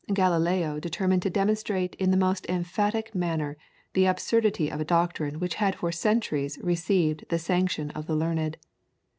Galileo determined to demonstrate in the most emphatic manner the absurdity of a doctrine which had for centuries received the sanction of the learned.